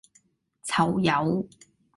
囚友